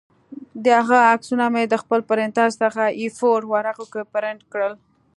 د هغه عکسونه مې د خپل پرنټر څخه اې فور ورقو کې پرنټ کړل